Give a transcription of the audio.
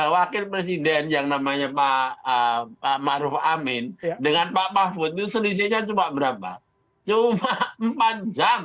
wakil presiden yang namanya pak maruf amin dengan pak mahfud itu selisihnya cuma berapa cuma empat jam